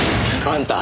あんた！